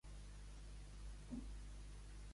Ser d'olis pesats.